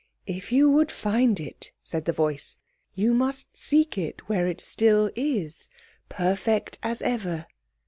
"If you would find it," said the voice, "You must seek it where it still is, perfect as ever."